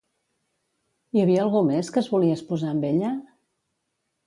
Hi havia algú més que es volia esposar amb ella?